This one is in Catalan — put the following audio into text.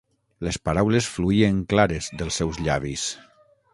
Les paraules fluïen clares dels seus llavis.